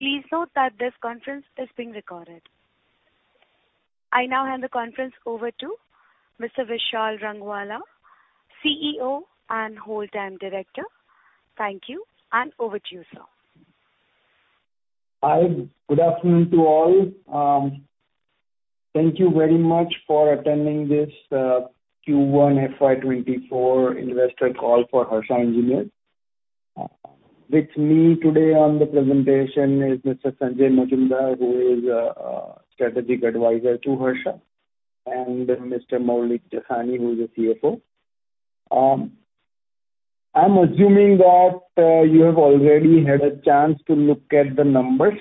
Please note that this conference is being recorded. I now hand the conference over to Mr. Vishal Rangwala, CEO and Whole Time Director. Thank you. Over to you, sir. Hi, good afternoon to all. Thank you very much for attending this Q1 FY 2024 investor call for Harsha Engineers. With me today on the presentation is Mr. Sanjay Majmudar, who is Strategic Advisor to Harsha, and Mr. Maulik Jasani, who is the CFO. I'm assuming that you have already had a chance to look at the numbers.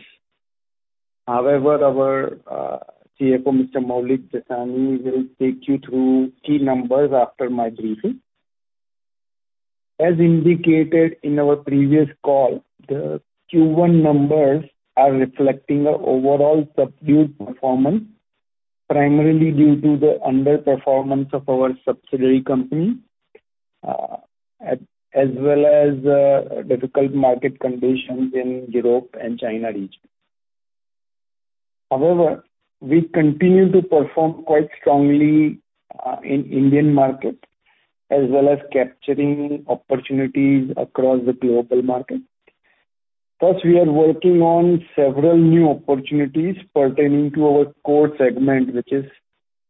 However, our CFO, Mr. Maulik Jasani, will take you through key numbers after my briefing. As indicated in our previous call, the Q1 numbers are reflecting a overall subdued performance, primarily due to the underperformance of our subsidiary company, as well as difficult market conditions in Europe and China region. However, we continue to perform quite strongly in Indian market, as well as capturing opportunities across the global market. We are working on several new opportunities pertaining to our core segment, which is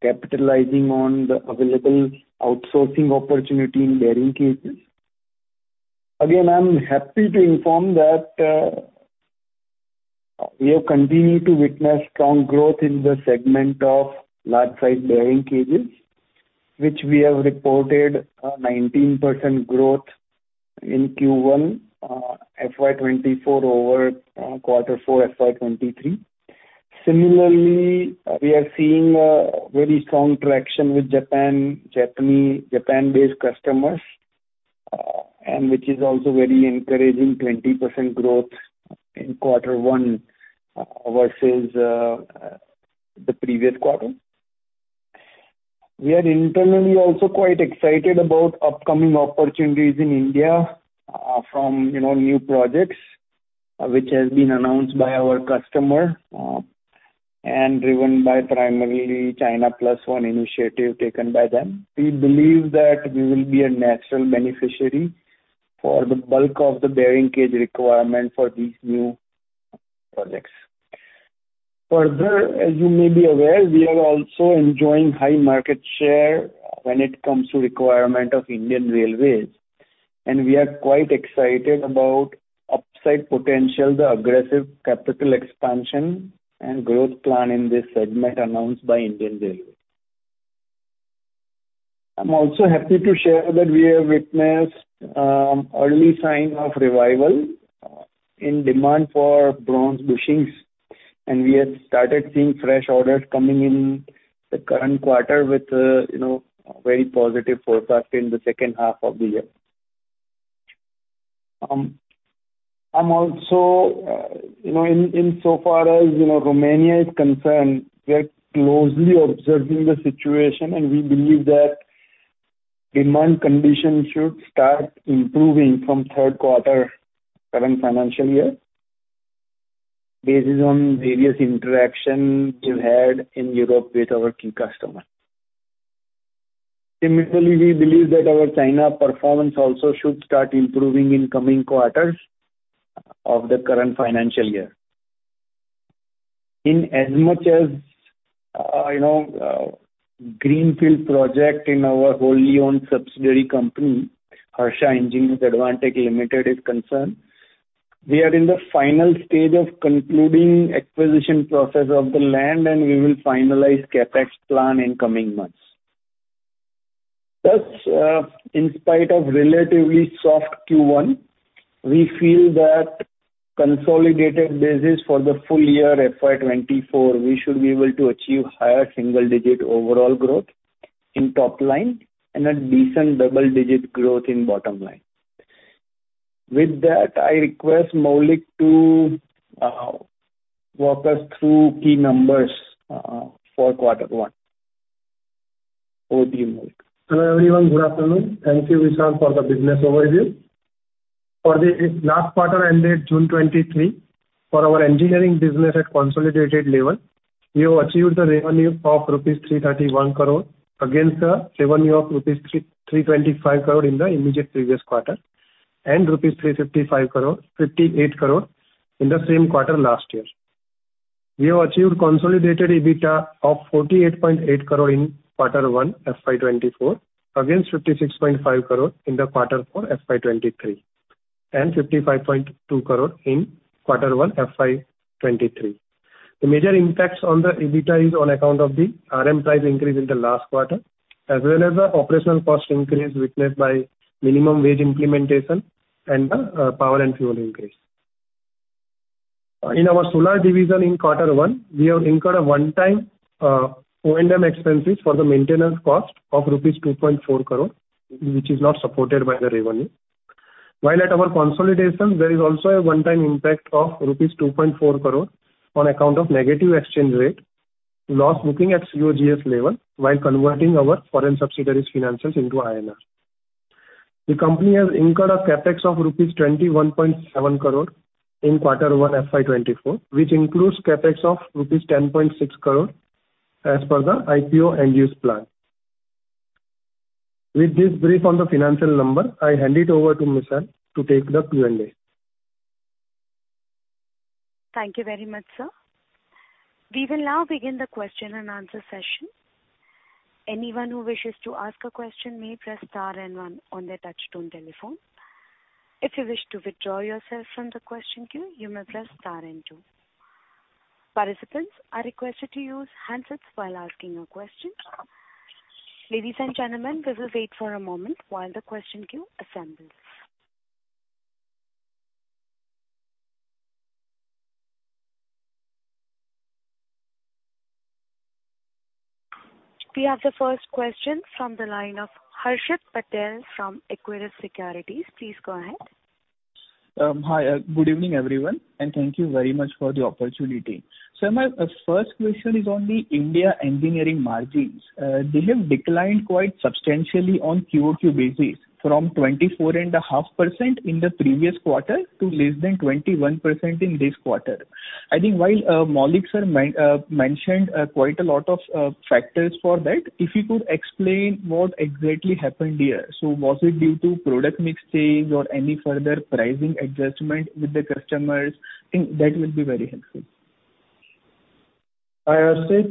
capitalizing on the available outsourcing opportunity in bearing cages. Again, I'm happy to inform that we have continued to witness strong growth in the segment of large-size bearing cages, which we have reported a 19% growth in Q1 FY 2024 over Q4 FY 2023. Similarly, we are seeing a very strong traction with Japan, Japanese, Japan-based customers, and which is also very encouraging, 20% growth in Q1 versus the previous quarter. We are internally also quite excited about upcoming opportunities in India, from, you know, new projects, which has been announced by our customer, and driven by primarily China Plus One initiative taken by them. We believe that we will be a natural beneficiary for the bulk of the bearing cage requirement for these new projects. Further, as you may be aware, we are also enjoying high market share when it comes to requirement of Indian Railways, and we are quite excited about upside potential, the aggressive capital expansion and growth plan in this segment announced by Indian Railways. I'm also happy to share that we have witnessed early sign of revival in demand for bronze bushings, and we have started seeing fresh orders coming in the current quarter with, you know, very positive forecast in the second half of the year. I'm also, you know, in, in so far as you know, Romania is concerned, we are closely observing the situation, and we believe that demand conditions should start improving from third quarter current financial year, based on various interactions we've had in Europe with our key customers. Similarly, we believe that our China performance also should start improving in coming quarters of the current financial year. In as much as, you know, greenfield project in our wholly owned subsidiary company, Harsha Engineers Advantek Limited is concerned, we are in the final stage of concluding acquisition process of the land, and we will finalize CapEx plan in coming months. Thus, in spite of relatively soft Q1, we feel that consolidated basis for the full-year FY 2024, we should be able to achieve higher single-digit overall growth in top line and a decent double-digit growth in bottom line. With that, I request Maulik to walk us through key numbers for quarter one. Over to you, Maulik. Hello, everyone. Good afternoon. Thank you, Vishal, for the business overview. For the last quarter ended June 2023, for our engineering business at consolidated level, we have achieved the revenue of rupees 331 crore against the revenue of rupees 325 crore in the immediate previous quarter, and rupees 358 crore in the same quarter last year. We have achieved consolidated EBITDA of 48.8 crore in Q1 FY2024, against 56.5 crore in Q4 FY2023, and 55.2 crore in Q1 FY2023. The major impacts on the EBITDA is on account of the RM price increase in the last quarter, as well as the operational cost increase witnessed by minimum wage implementation and the power and fuel increase. In our solar division in quarter one, we have incurred a one-time O&M expenses for the maintenance cost of rupees 2.4 crore, which is not supported by the revenue. At our consolidation, there is also a one-time impact of rupees 2.4 crore on account of negative exchange rate, loss booking at COGS level while converting our foreign subsidiaries financials into INR. The company has incurred a CapEx of rupees 21.7 crore in quarter one, FY 2024, which includes CapEx of rupees 10.6 crore as per the IPO end-use plan. With this brief on the financial number, I hand it over to Michelle to take the Q&A. Thank you very much, sir. We will now begin the question-and-answer session. Anyone who wishes to ask a question may press star and one on their touch-tone telephone. If you wish to withdraw yourself from the question queue, you may press star and two. Participants are requested to use handsets while asking a question. Ladies and gentlemen, please wait for a moment while the question queue assembles. We have the first question from the line of Harshit Patel from Equirus Securities. Please go ahead. Good evening, everyone, and thank you very much for the opportunity. Sir, my first question is on the India engineering margins. They have declined quite substantially on Q-o-Q basis, from 24.5% in the previous quarter to less than 21% in this quarter. I think while Maulik sir mentioned quite a lot of factors for that, if you could explain what exactly happened here. Was it due to product mix change or any further pricing adjustment with the customers? I think that would be very helpful. Hi, Harshit,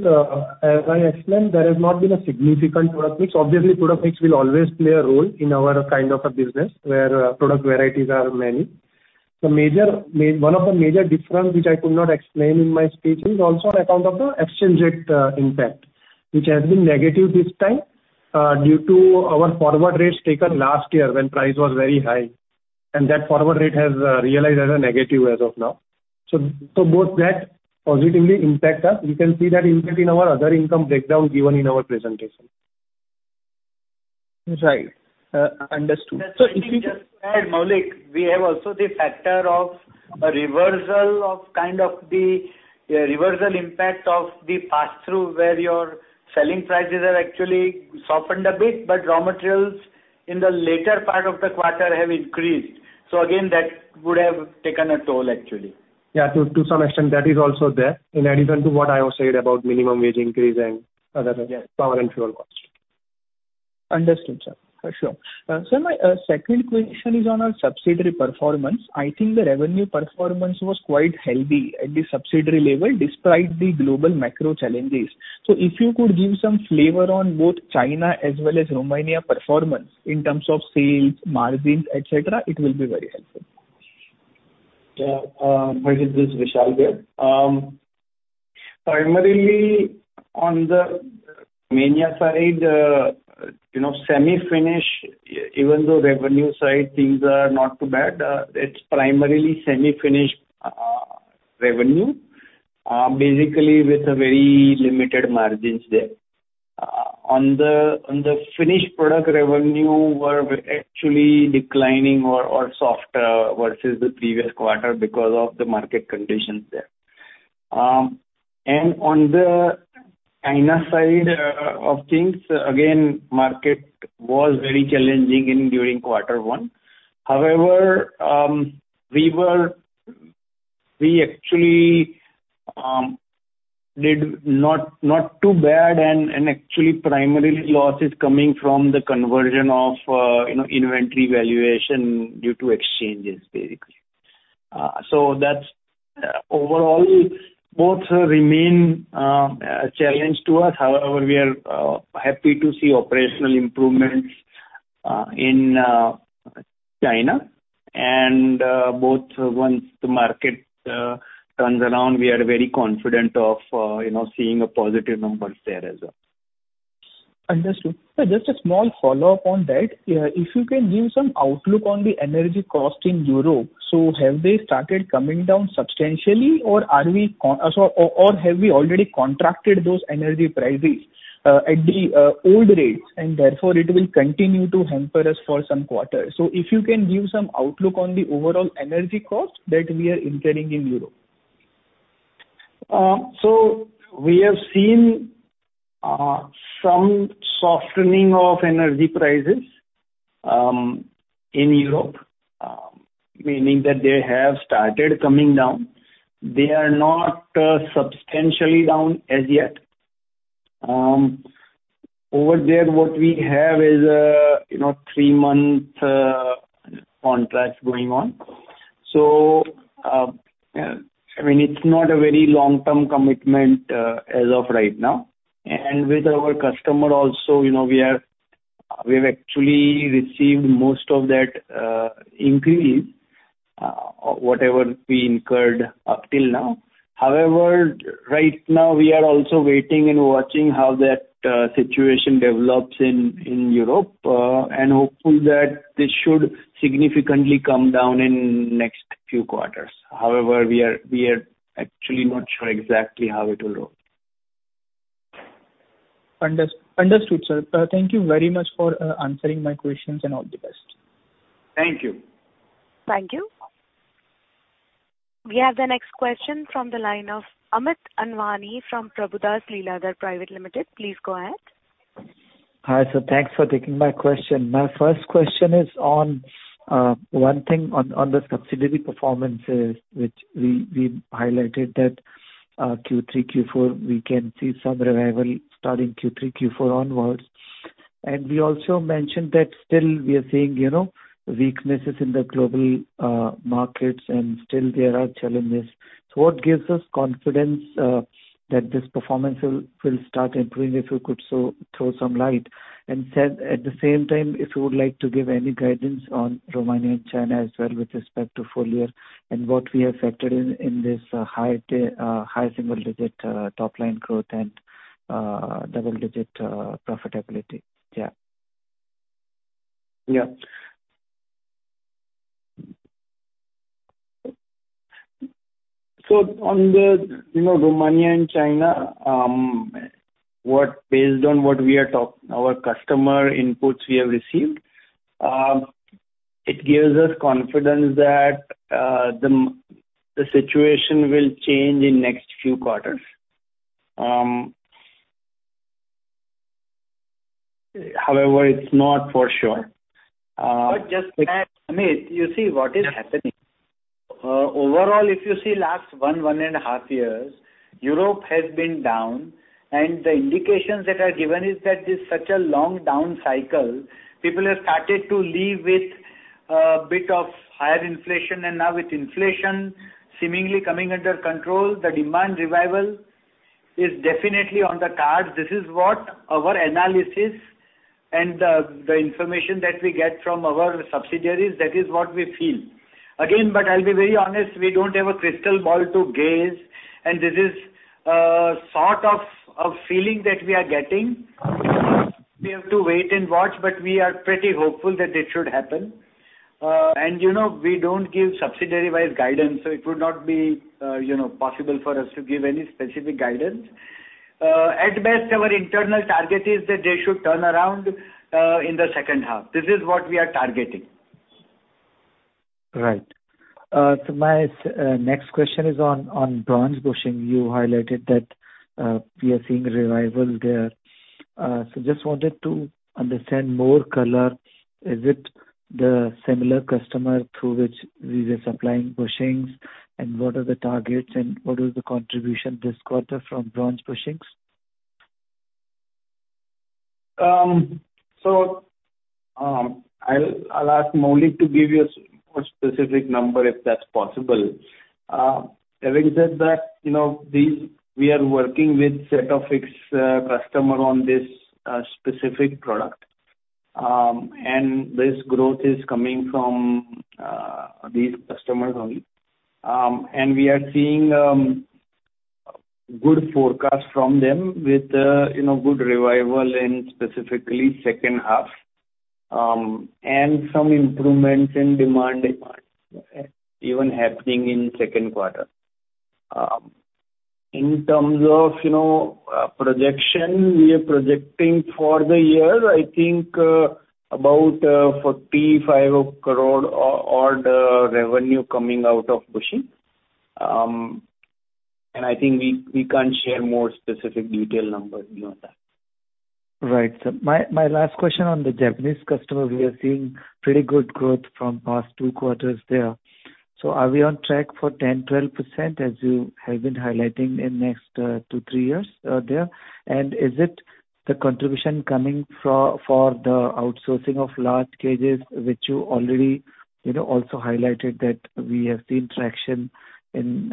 as I explained, there has not been a significant product mix. Obviously, product mix will always play a role in our kind of a business, where product varieties are many. The major one of the major difference, which I could not explain in my speech, is also on account of the exchange rate impact, which has been negative this time, due to our forward rates taken last year, when price was very high, and that forward rate has realized as a negative as of now. Both that positively impact us. You can see that impact in our other income breakdown, given in our presentation. Right. Understood. Just to add, Maulik, we have also the factor of a reversal of kind of the reversal impact of the pass-through, where your selling prices have actually softened a bit, but raw materials in the later part of the quarter have increased. Again, that would have taken a toll, actually. Yeah, to some extent, that is also there, in addition to what I have said about minimum wage increase and other, again, power and fuel costs. Understood, sir. For sure. Sir, my second question is on our subsidiary performance. I think the revenue performance was quite healthy at the subsidiary level, despite the global macro challenges. If you could give some flavor on both China as well as Romania performance in terms of sales, margins, et cetera, it will be very helpful. Harshit, this is Vishal here. Primarily on the Romania side, you know, semi-finished, even though revenue side things are not too bad, it's primarily semi-finished revenue, basically with very limited margins there. On the, on the finished product revenue, we're actually declining or, or softer versus the previous quarter because of the market conditions there. On the China side of things, again, market was very challenging in during quarter one. However, we were -- we actually did not, not too bad and, and actually primarily loss is coming from the conversion of, you know, inventory valuation due to exchanges, basically. That's overall both remain a challenge to us. However, we are happy to see operational improvements in China and both once the market turns around, we are very confident of, you know, seeing a positive numbers there as well. Understood. Sir, just a small follow-up on that. If you can give some outlook on the energy cost in Europe. Have they started coming down substantially, or are we or, or, or have we already contracted those energy prices, at the, old rates, and therefore it will continue to hamper us for some quarters? If you can give some outlook on the overall energy cost that we are incurring in Europe. We have seen some softening of energy prices in Europe, meaning that they have started coming down. They are not substantially down as yet. Over there, what we have is a, you know, 3-month contract going on. I mean, it's not a very long-term commitment as of right now. And with our customer also, you know, we have, we've actually received most of that increase, whatever we incurred up till now. However, right now, we are also waiting and watching how that situation develops in Europe, and hopeful that this should significantly come down in next few quarters. However, we are, we are actually not sure exactly how it will look. Understood, sir. Thank you very much for answering my questions, and all the best. Thank you. Thank you. We have the next question from the line of Amit Anwani from Prabhudas Lilladher Private Limited. Please go ahead. Hi, sir. Thanks for taking my question. My first question is on one thing on, on the subsidiary performances, which we, we highlighted that Q3, Q4, we can see some revival starting Q3, Q4 onwards. We also mentioned that still we are seeing, you know, weaknesses in the global markets, and still there are challenges. What gives us confidence that this performance will, will start improving, if you could so throw some light? Then at the same time, if you would like to give any guidance on Romania and China as well with respect to full-year, and what we have factored in, in this high single-digit top line growth and double-digit profitability. Yeah. On the, you know, Romania and China, what based on what we are talk- our customer inputs we have received, it gives us confidence that the situation will change in next few quarters. However, it's not for sure. Just to add, Amit, you see what is happening. Overall, if you see last one, one and a half years, Europe has been down, and the indications that are given is that this is such a long down cycle, people have started to live with, bit of higher inflation, and now with inflation seemingly coming under control, the demand revival is definitely on the cards. This is what our analysis and the, the information that we get from our subsidiaries, that is what we feel. Again, I'll be very honest, we don't have a crystal ball to gaze, and this is, sort of a feeling that we are getting. We have to wait and watch, but we are pretty hopeful that it should happen. You know, we don't give subsidiary-wide guidance, so it would not be, you know, possible for us to give any specific guidance. At best, our internal target is that they should turn around, in the second half. This is what we are targeting. Right. So my next question is on bronze bushing. You highlighted that we are seeing revival there. So just wanted to understand more color. Is it the similar customer through which we were supplying bushings? What are the targets, and what is the contribution this quarter from bronze bushings? I'll ask Moulik to give you a more specific number, if that's possible. Having said that, you know, these, we are working with set of fixed customer on this specific product. This growth is coming from these customers only. We are seeing good forecast from them with, you know, good revival in specifically second half and some improvements in demand even happening in second quarter. In terms of, you know, projection, we are projecting for the year, I think, about 45 crore or the revenue coming out of bushing. I think we can't share more specific detail numbers beyond that. Right. My, my last question on the Japanese customer, we are seeing pretty good growth from past 2 quarters there. Are we on track for 10%-12%, as you have been highlighting in next 2-3 years there? Is it the contribution coming for the outsourcing of large cages, which you already, you know, also highlighted that we have seen traction in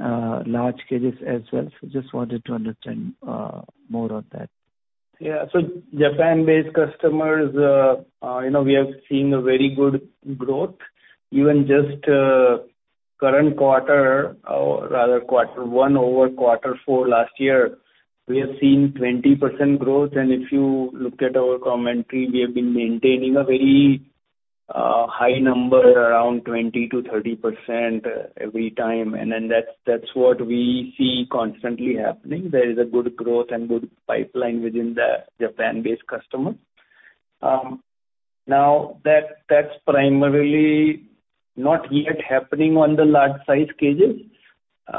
large cages as well? Just wanted to understand more on that. Yeah. Japan-based customers, you know, we have seen a very good growth. Even just, current quarter, or rather quarter one over quarter four last year, we have seen 20% growth. If you look at our commentary, we have been maintaining a very high number, around 20%-30% every time. That's, that's what we see constantly happening. There is a good growth and good pipeline within the Japan-based customer. Now, that, that's primarily not yet happening on the large size cages.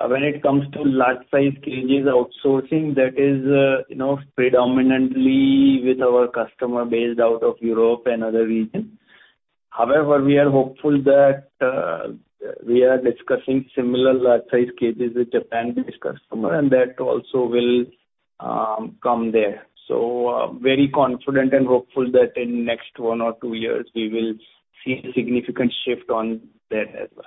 When it comes to large size cages, outsourcing, that is, you know, predominantly with our customer based out of Europe and other regions. However, we are hopeful that we are discussing similar large size cages with Japan-based customer, and that also will come there. Very confident and hopeful that in next one or two years, we will see a significant shift on there as well.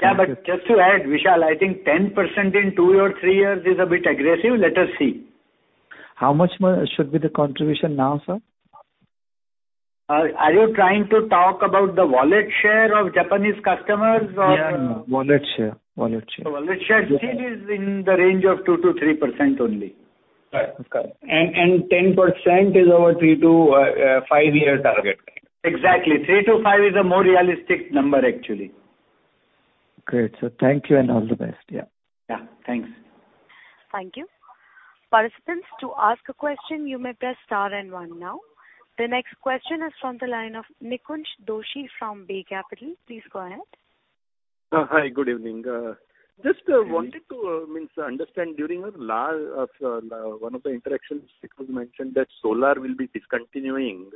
Yeah, just to add, Vishal, I think 10% in two or three years is a bit aggressive. Let us see. How much should be the contribution now, sir? Are you trying to talk about the wallet share of Japanese customers or- Yeah, wallet share. Wallet share. Wallet share still is in the range of 2%-3% only. Right. Okay. 10% is our three to five year target. Exactly. Three to five is a more realistic number, actually. Great. Thank you and all the best. Yeah. Yeah. Thanks. Thank you. Participants, to ask a question, you may press star and one now. The next question is from the line of Nikunj Doshi from Bay Capital. Please go ahead. Hi, good evening. Just wanted to understand during our last one of the interactions, it was mentioned that solar will be discontinuing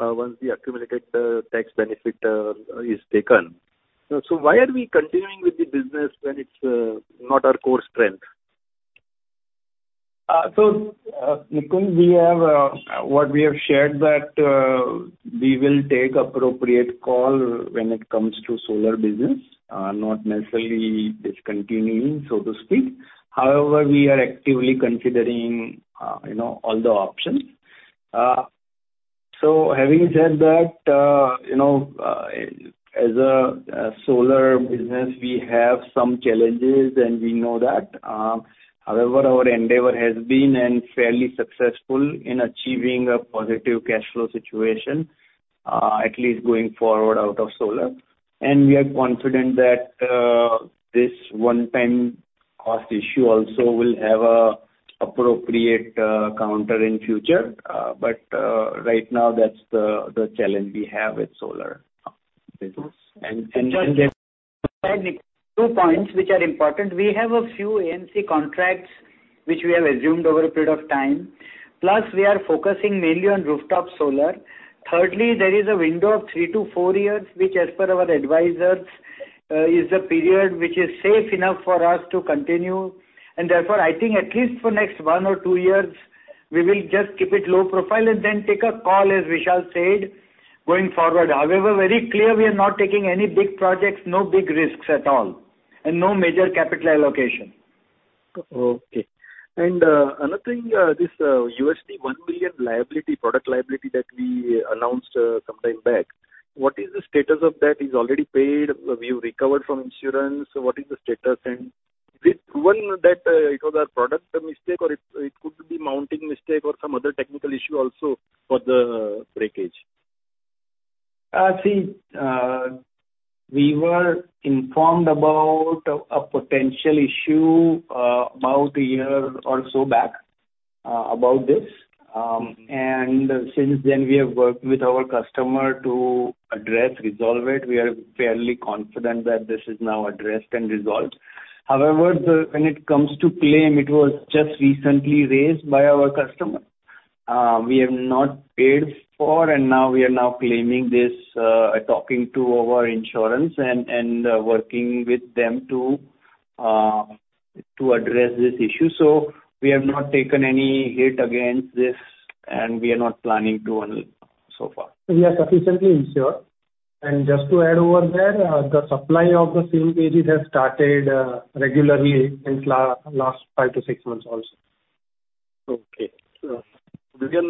once the accumulated tax benefit is taken. Why are we continuing with the business when it's not our core strength? Nikunj, we have what we have shared that we will take appropriate call when it comes to solar business, not necessarily discontinuing, so to speak. However, we are actively considering, you know, all the options. Having said that, you know, as a solar business, we have some challenges, and we know that. However, our endeavor has been and fairly successful in achieving a positive cash flow situation, at least going forward out of solar. We are confident that this one-time cost issue also will have a appropriate counter in future. Right now, that's the challenge we have with solar business. And, and- Two points which are important. We have a few AMC contracts, which we have assumed over a period of time, plus we are focusing mainly on rooftop solar. Thirdly, there is a window of three to four years, which as per our advisors, is the period which is safe enough for us to continue. Therefore, I think at least for next one or two years, we will just keep it low profile and then take a call, as Vishal said, going forward. However, very clear, we are not taking any big projects, no big risks at all, and no major CapEx allocation. Okay. Another thing, this, $1 billion liability, product liability that we announced, sometime back. What is the status of that? Is already paid? Have you recovered from insurance? What is the status? Is it proven that, it was a product mistake, or it, it could be mounting mistake or some other technical issue also for the breakage? See, we were informed about a potential issue, about a year or so back, about this. Since then we have worked with our customer to address, resolve it. We are fairly confident that this is now addressed and resolved. However, when it comes to claim, it was just recently raised by our customer. We have not paid for, now we are now claiming this, talking to our insurance and working with them to address this issue. We have not taken any hit against this, and we are not planning to earn it so far. We are sufficiently insured. Just to add over there, the supply of the same cages has started, regularly since last five to six months also. Okay. Again,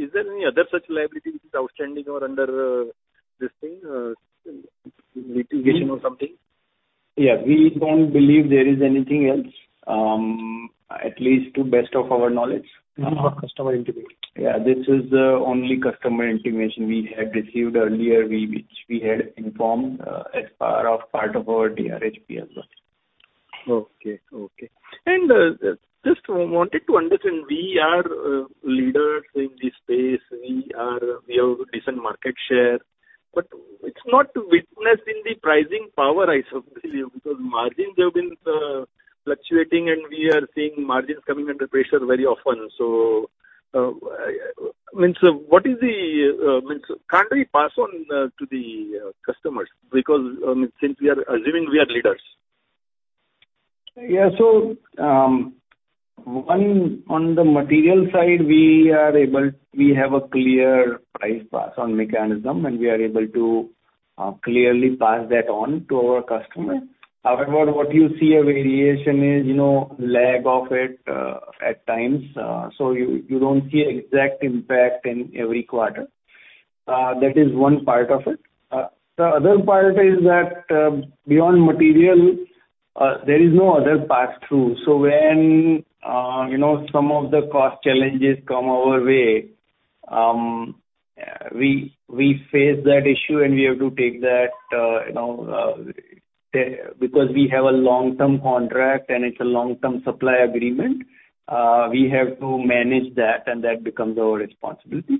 is there any other such liability which is outstanding or under this thing, litigation or something? Yeah, we don't believe there is anything else, at least to best of our knowledge. No customer integration. Yeah, this is the only customer integration we had received earlier, which we had informed as part of, part of our DRHP as well. Okay, okay. Just wanted to understand, we are leaders in this space. We are, we have a decent market share, but it's not witnessing the pricing power, I believe, because margins have been fluctuating, and we are seeing margins coming under pressure very often. What is the, can't we pass on to the customers? Because, since we are assuming we are leaders. Yeah, so, one, on the material side, we are able-- we have a clear price pass on mechanism, and we are able to clearly pass that on to our customer. However, what you see a variation is, you know, lag of it, at times, so you, you don't see exact impact in every quarter. That is one part of it. The other part is that beyond material, there is no other pass-through. So when, you know, some of the cost challenges come our way, we, we face that issue, and we have to take that, you know, te- because we have a long-term contract and it's a long-term supply agreement, we have to manage that, and that becomes our responsibility.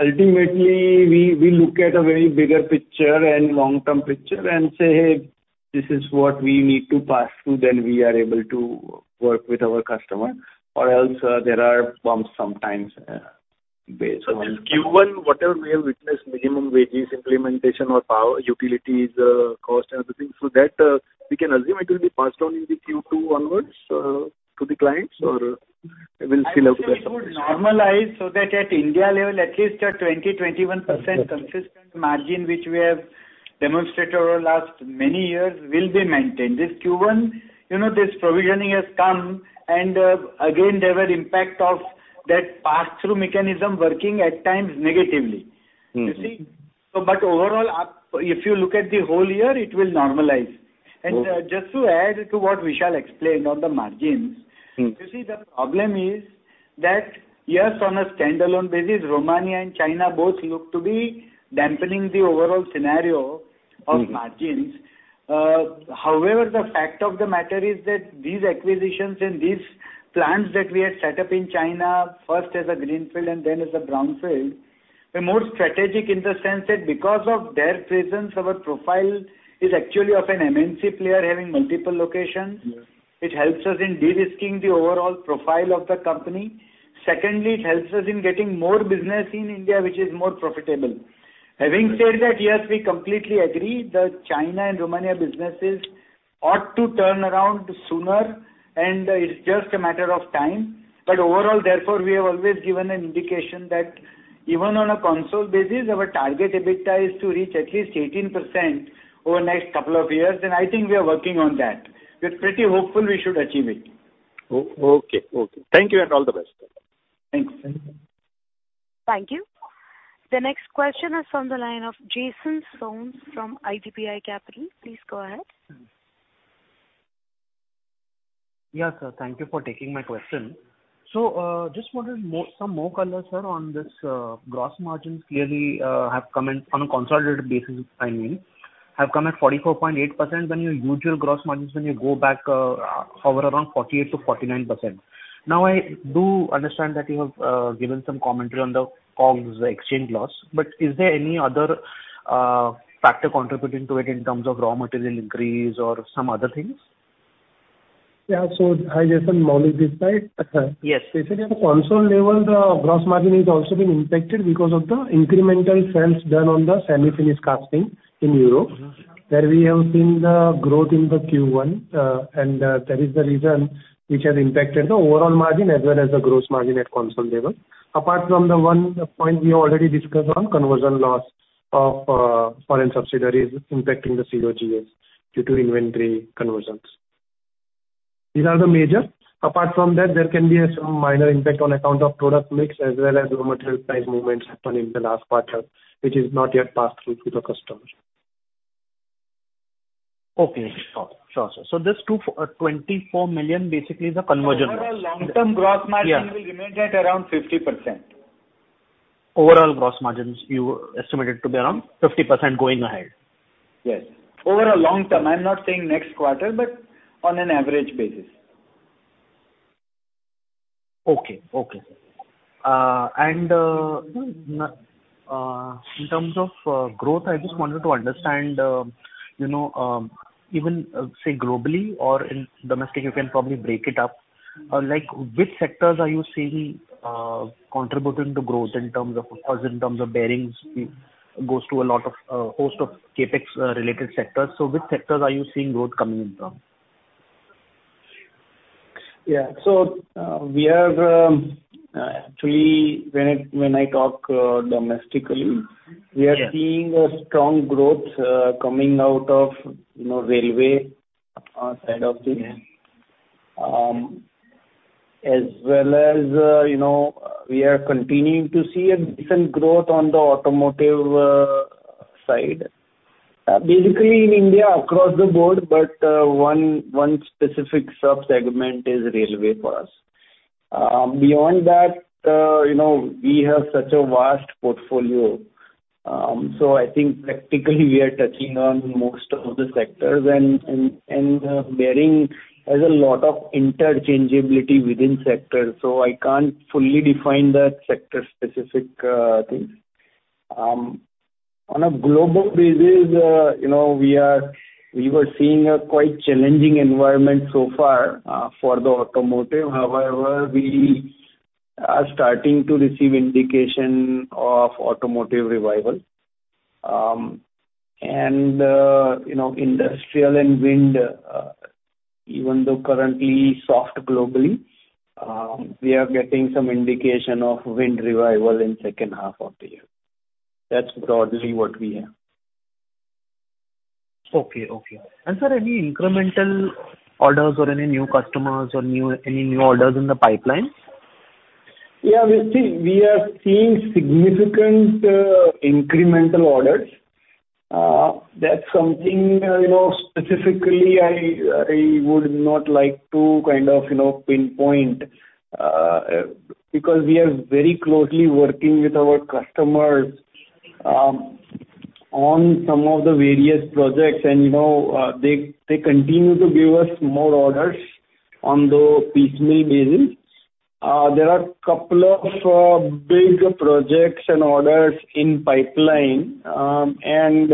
Ultimately, we, we look at a very bigger picture and long-term picture and say, "Hey, this is what we need to pass through, then we are able to work with our customer," or else, there are bumps sometimes, based on. Q1, whatever we have witnessed, minimum wages, implementation or power, utilities, cost and other things, so that, we can assume it will be passed on in the Q2 onwards, to the clients, or it will still affect? I think it would normalize so that at India level, at least a 20%-21% consistent margin, which we have demonstrated over the last many years, will be maintained. This Q1, you know, this provisioning has come. Again, there were impact of that pass-through mechanism working at times negatively. Mm-hmm. You see? Overall, if you look at the whole year, it will normalize. Okay. Just to add to what Vishal explained on the margins. Mm-hmm. You see, the problem is......that yes, on a standalone basis, Romania and China both look to be dampening the overall scenario of margins. However, the fact of the matter is that these acquisitions and these plants that we had set up in China, first as a greenfield and then as a brownfield, were more strategic in the sense that because of their presence, our profile is actually of an MNC player having multiple locations. Yes. It helps us in de-risking the overall profile of the company. Secondly, it helps us in getting more business in India, which is more profitable. Having said that, yes, we completely agree that China and Romania businesses ought to turn around sooner. It's just a matter of time. Overall, therefore, we have always given an indication that even on a console basis, our target EBITDA is to reach at least 18% over the next couple of years. I think we are working on that. We're pretty hopeful we should achieve it. Okay. Okay. Thank you, and all the best. Thanks. Thank you. The next question is from the line of Jignesh Bhate from IDBI Capital. Please go ahead. Yes, sir. Thank you for taking my question. Just wanted more, some more color, sir, on this gross margins clearly have come in on a consolidated basis, I mean, have come at 44.8% when your usual gross margins, when you go back, hover around 48%-49%. I do understand that you have given some commentary on the COGS, the exchange loss, but is there any other factor contributing to it in terms of raw material increase or some other things? Yeah. Hi, Jason, Maulik this side. Yes. Basically, at the console level, the gross margin is also been impacted because of the incremental sales done on the semi-finished casting in Europe, where we have seen the growth in the Q1, and that is the reason which has impacted the overall margin as well as the gross margin at console level. Apart from the one point we already discussed on conversion loss of foreign subsidiaries impacting the COGS due to inventory conversions. These are the major. Apart from that, there can be some minor impact on account of product mix as well as raw material price movements happening in the last quarter, which is not yet passed through to the customers. Okay, sure. Sure, sir. So this 24 million basically is a conversion loss? Overall long-term gross margin- Yeah. Will remain at around 50%. Overall gross margins, you estimated to be around 50% going ahead? Yes. Overall long term, I'm not saying next quarter, but on an average basis. Okay. Okay. In terms of growth, I just wanted to understand, you know, even say, globally or in domestic, you can probably break it up. Like, which sectors are you seeing contributing to growth in terms of... in terms of bearings, goes to a lot of host of CapEx related sectors. Which sectors are you seeing growth coming in from? Yeah. We are, actually, when I, when I talk, domestically... Yeah We are seeing a strong growth, coming out of, you know, railway, side of things. Yeah. As well as, you know, we are continuing to see a decent growth on the automotive side. Basically in India, across the board, but one specific sub-segment is railway for us. Beyond that, you know, we have such a vast portfolio, so I think practically we are touching on most of the sectors and bearing has a lot of interchangeability within sectors, so I can't fully define the sector-specific things. On a global basis, you know, we were seeing a quite challenging environment so far for the automotive. However, we are starting to receive indication of automotive revival. You know, industrial and wind, even though currently soft globally, we are getting some indication of wind revival in second half of the year. That's broadly what we have. Okay, okay. Sir, any incremental orders or any new customers or new, any new orders in the pipeline? We are seeing significant incremental orders. That's something, you know, specifically, I, I would not like to kind of, you know, pinpoint because we are very closely working with our customers on some of the various projects, and, you know, they, they continue to give us more orders on the piecemeal basis. There are couple of big projects and orders in pipeline, and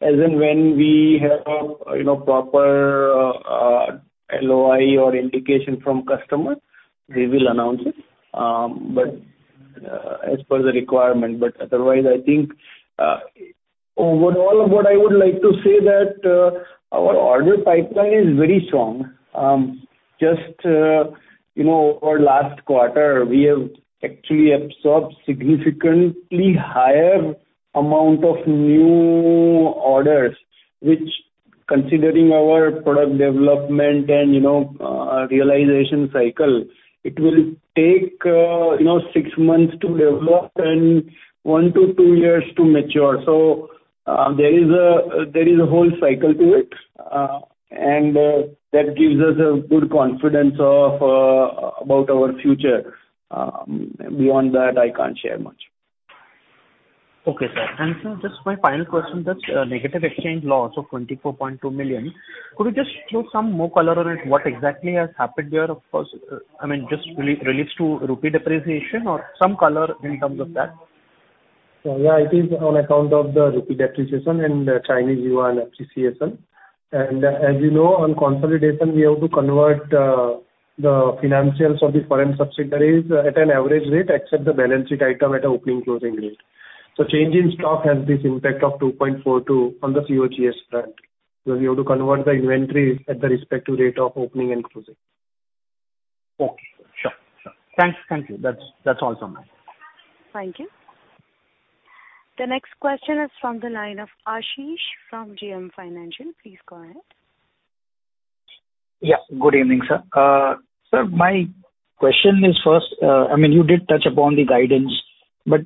as and when we have, you know, proper LOI or indication from customer, we will announce it as per the requirement. Otherwise, I think, overall, what I would like to say that our order pipeline is very strong. Just, you know, over last quarter, we have actually absorbed significantly higher amount of new orders, which, considering our product development and, you know, realization cycle, it will take, you know, six months to develop and 1 to 2 years to mature. There is a, there is a whole cycle to it, and that gives us a good confidence of about our future. Beyond that, I can't share much. Okay, sir. Sir, just my final question, that negative exchange loss of 24.2 million, could you just throw some more color on it? What exactly has happened there? Of course, I mean, just relates to Rupee depreciation or some color in terms of that. Yeah, it is on account of the rupee depreciation and Chinese yuan appreciation. As you know, on consolidation, we have to convert the financials of the foreign subsidiaries at an average rate, except the balance sheet item at a opening closing rate. Change in stock has this impact of 2.42 on the COGS front, because we have to convert the inventory at the respective rate of opening and closing. Okay, sure, sure. Thanks. Thank you. That's, that's all from me. Thank you. The next question is from the line of Ashish from JM Financial. Please go ahead. Yeah, good evening, sir. Sir, my question is, first, I mean, you did touch upon the guidance, but,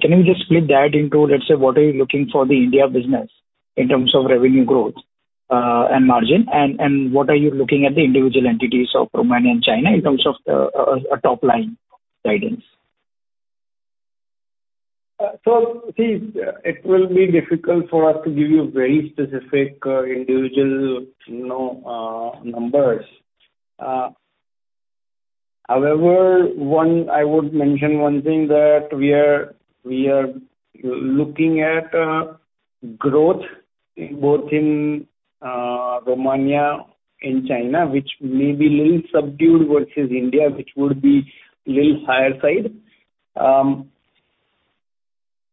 can you just split that into, let's say, what are you looking for the India business in terms of revenue growth, and margin, and, and what are you looking at the individual entities of Romania and China in terms of, a top-line guidance? See, it will be difficult for us to give you very specific, individual, you know, numbers. However, one, I would mention one thing that we are, we are looking at growth both in Romania and China, which may be little subdued versus India, which would be little higher side.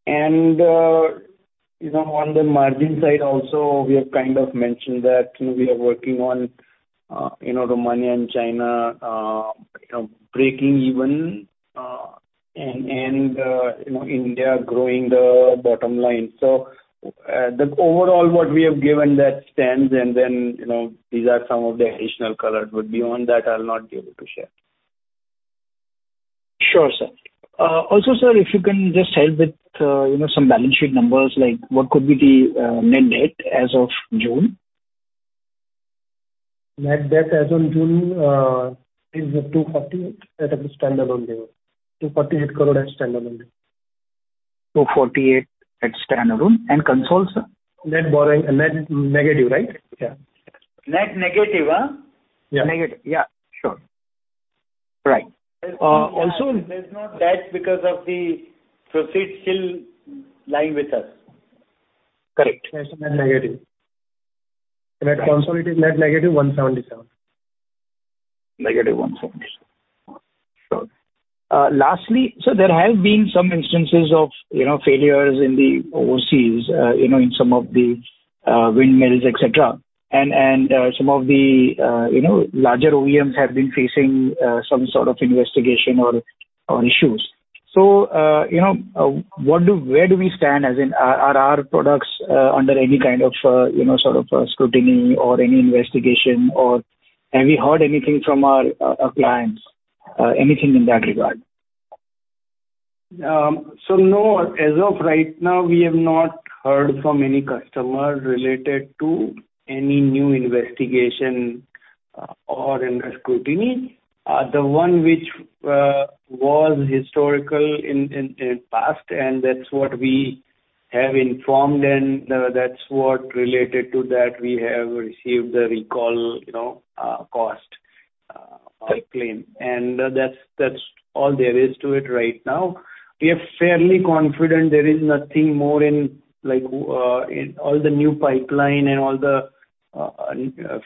You know, on the margin side also, we have kind of mentioned that, you know, we are working on in Romania and China, you know, breaking even, and, and, you know, India growing the bottom line. The overall what we have given that stands, and then, you know, these are some of the additional colors, but beyond that, I'll not be able to share. Sure, sir. Also, sir, if you can just help with, you know, some balance sheet numbers, like what could be the net debt as of June? Net debt as on June, is 248 at a standalone level. 248 crore as standalone level. 248 at standalone, and consolid, sir? Net borrowing, net negative, right? Yeah. Net negative, huh? Yeah. Negative, yeah, sure. Right. There's no debt because of the proceeds still lying with us. Correct. Net negative. At consolidated, net -177. -177. Sure. Lastly, sir, there have been some instances of, you know, failures in the overseas, you know, in some of the windmills, et cetera. Some of the, you know, larger OEMs have been facing some sort of investigation or issues. You know, where do we stand as in, are our products under any kind of, you know, sort of scrutiny or any investigation, or have you heard anything from our clients, anything in that regard? No, as of right now, we have not heard from any customer related to any new investigation or any scrutiny. The one which was historical in past, and that's what we have informed, and that's what related to that we have received the recall, you know, cost or claim. That's, that's all there is to it right now. We are fairly confident there is nothing more in, like, in all the new pipeline and all the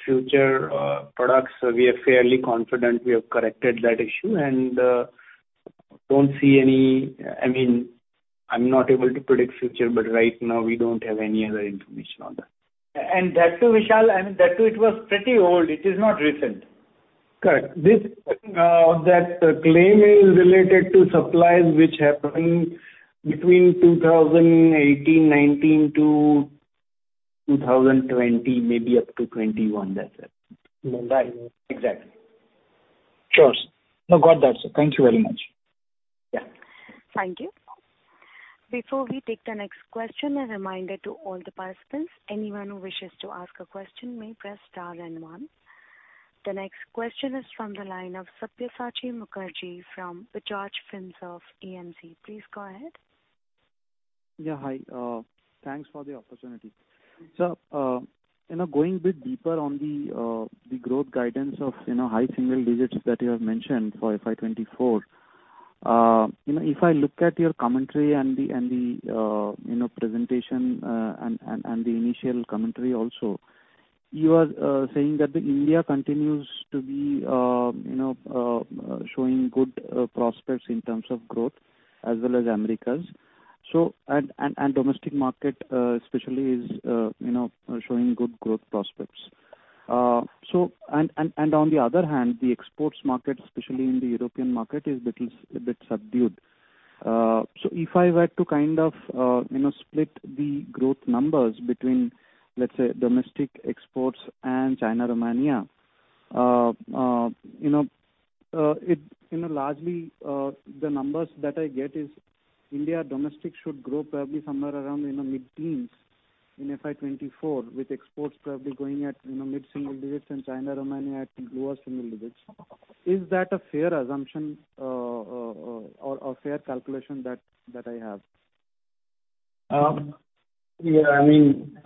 future products. We are fairly confident we have corrected that issue, and don't see any... I mean, I'm not able to predict future, but right now, we don't have any other information on that. That too, Vishal, I mean, that too, it was pretty old. It is not recent. Correct. This, that claim is related to supplies which happened between 2018, 2019 to 2020, maybe up to 2021. That's it. Right. Exactly. Sure. No, got that, sir. Thank you very much. Yeah. Thank you. Before we take the next question, a reminder to all the participants, anyone who wishes to ask a question may press star and 1. The next question is from the line of Sabyasachi Mukerji from Bajaj Finserv Asset Management. Please go ahead. Yeah, hi. Thanks for the opportunity. You know, going bit deeper on the, the growth guidance of, you know, high single digits that you have mentioned for FY 2024. You know, if I look at your commentary and the, and the, you know, presentation, and, and, and the initial commentary also, you are, saying that the India continues to be, you know, showing good, prospects in terms of growth as well as Americas. Domestic market, especially is, you know, showing good growth prospects. On the other hand, the exports market, especially in the European market, is little s- a bit subdued. If I were to kind of, you know, split the growth numbers between, let's say, domestic exports and China, Romania-. You know, largely, the numbers that I get is India domestic should grow probably somewhere around, you know, mid-teens in FY 2024, with exports probably going at, you know, mid-single digits and China, Romania at lower single digits. Is that a fair assumption or fair calculation that I have? Yeah, I mean,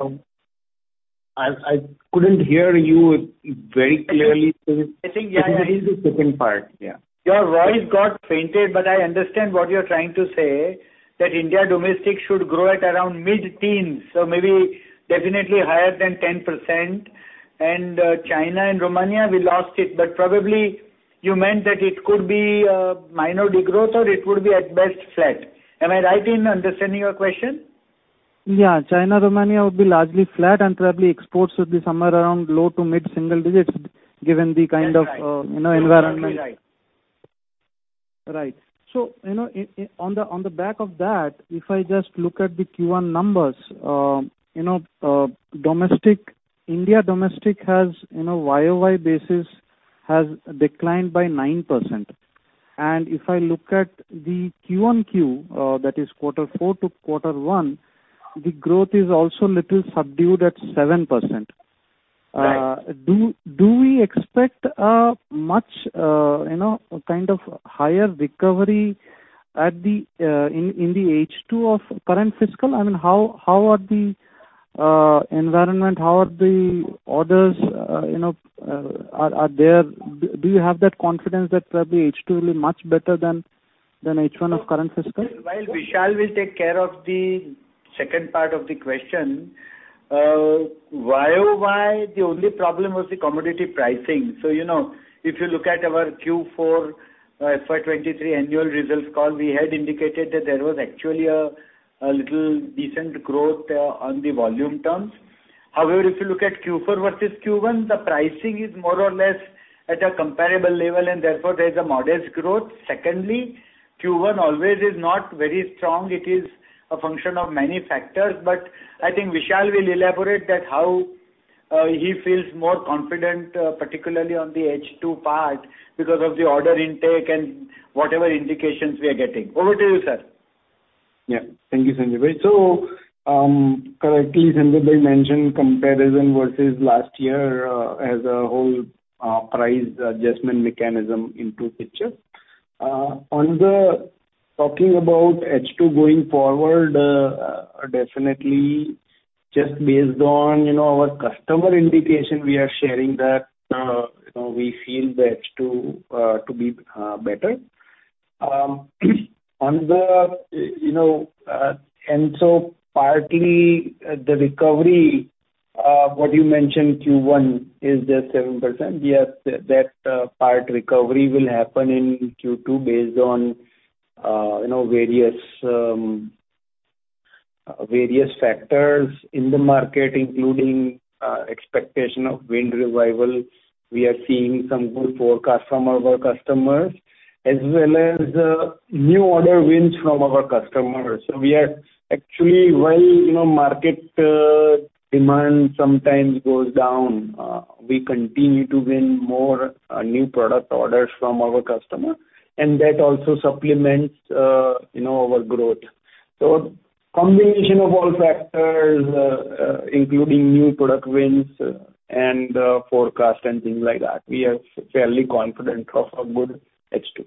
I, I couldn't hear you very clearly. I think, yeah, yeah. I hear the 2nd part, yeah. Your voice got fainted, but I understand what you're trying to say, that India domestic should grow at around mid-teens, so maybe definitely higher than 10%. China and Romania, we lost it, but probably you meant that it could be minor degrowth or it would be at best, flat. Am I right in understanding your question? Yeah. China, Romania would be largely flat, and probably exports would be somewhere around low to mid-single digits, given the kind of- That's right. you know, environment. You're right. Right. You know, on the back of that, if I just look at the Q1 numbers, you know, domestic, India domestic has, you know, Y-o-Y basis has declined by 9%. If I look at the Q-o-Q, that is Q4 to Q1, the growth is also little subdued at 7%. Right. Do we expect a much, you know, kind of higher recovery at the in the H2 of current fiscal? I mean, how are the environment, how are the orders, you know, are there do you have that confidence that probably H2 will be much better than H1 of current fiscal? While Vishal will take care of the second part of the question, Y-o-Y, the only problem was the commodity pricing. You know, if you look at our Q4 FY 2023 annual results call, we had indicated that there was actually a little decent growth on the volume terms. However, if you look at Q4 versus Q1, the pricing is more or less at a comparable level, and therefore there is a modest growth. Secondly, Q1 always is not very strong. It is a function of many factors, I think Vishal will elaborate that how he feels more confident, particularly on the H2 part, because of the order intake and whatever indications we are getting. Over to you, sir. Yeah. Thank you, Sanjay bhai. Correctly, Sanjay bhaii mentioned comparison versus last year, as a whole, price adjustment mechanism into picture. On the talking about H2 going forward, definitely just based on, you know, our customer indication, we are sharing that, you know, we feel the H2 to be better. On the, you know, partly, the recovery, what you mentioned, Q1, is just 7%. Yes, that part recovery will happen in Q2 based on, you know, various, various factors in the market, including expectation of wind revival. We are seeing some good forecast from our customers, as well as, new order wins from our customers. We are actually, while, you know, market, demand sometimes goes down, we continue to win more, new product orders from our customer, and that also supplements, you know, our growth. Combination of all factors, including new product wins and, forecast and things like that, we are fairly confident of a good H2.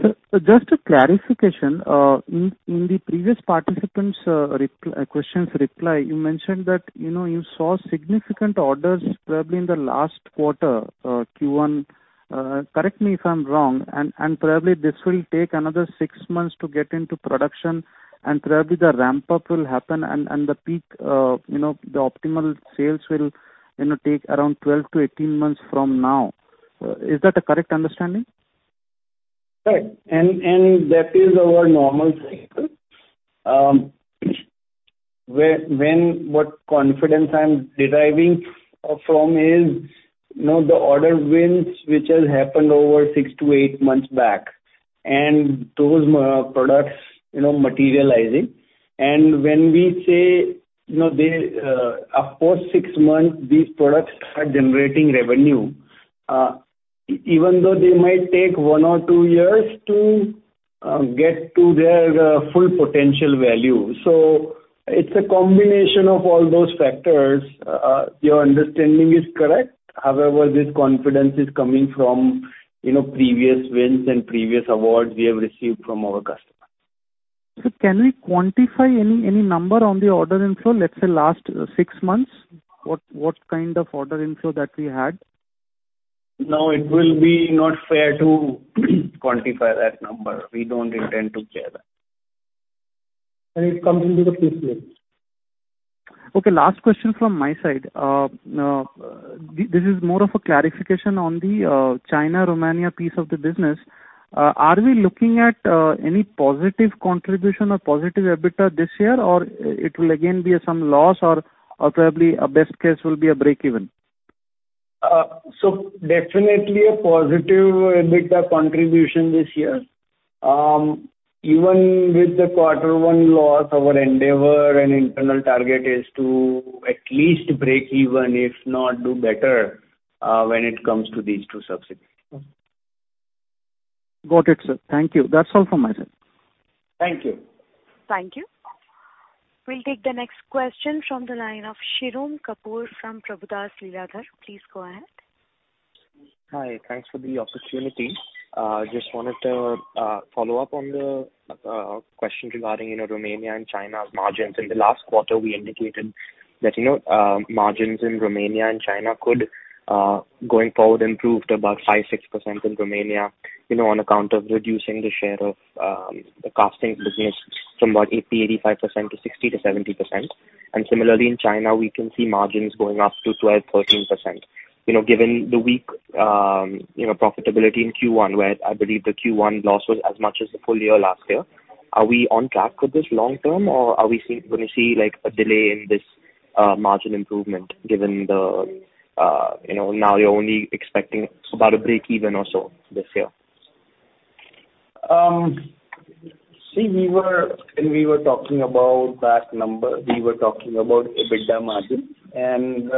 Sir, just a clarification. In the previous participant's question's reply, you mentioned that, you know, you saw significant orders probably in the last quarter, Q1. Correct me if I'm wrong, and probably this will take another six months to get into production, and probably the ramp-up will happen and the peak, you know, the optimal sales will, you know, take around 12-18 months from now. Is that a correct understanding? Right. That is our normal cycle. When what confidence I'm deriving from is, you know, the order wins, which has happened over six to eight months back, and those products, you know, materializing. When we say, you know, they after six months, these products are generating revenue, even though they might take one or two years to get to their full potential value. It's a combination of all those factors. Your understanding is correct. However, this confidence is coming from, you know, previous wins and previous awards we have received from our customers. Can we quantify any, any number on the order inflow, let's say, last 6 months? What, what kind of order inflow that we had? No, it will be not fair to quantify that number. We don't intend to share that. It comes into the Q3. Okay, last question from my side. This is more of a clarification on the China, Romania piece of the business. Are we looking at any positive contribution or positive EBITDA this year, or it will again be some loss, or probably a best case will be a break even? Definitely a positive EBITDA contribution this year. Even with the quarter one loss, our endeavor and internal target is to at least break even, if not do better, when it comes to these two subsidiaries. Got it, sir. Thank you. That's all from my side. Thank you. Thank you. We'll take the next question from the line of Shirom Kapur from Prabhudas Lilladher. Please go ahead. Hi. Thanks for the opportunity. Just wanted to follow up on the question regarding, you know, Romania and China's margins. In the last quarter, we indicated that, you know, margins in Romania and China could, going forward, improve to about 5%-6% in Romania, you know, on account of reducing the share of the casting business from about 80%-85% to 60%-70%. Similarly, in China, we can see margins going up to 12%-13%. You know, given the weak, you know, profitability in Q1, where I believe the Q1 loss was as much as the full-year last year, are we on track with this long term, or are we gonna see, like, a delay in this margin improvement, given the, you know, now you're only expecting about a break even or so this year? See, when we were talking about that number, we were talking about EBITDA margin, and